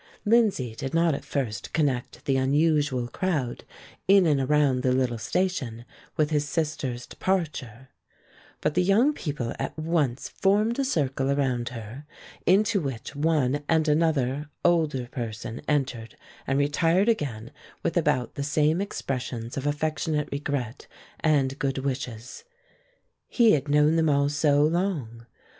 Lindsay did not at first connect the unusual crowd in and around the little station with his sister's departure; but the young people at once formed a circle around her, into which one and another older person entered and retired again with about the same expressions of affectionate regret and good wishes. He had known them all so long!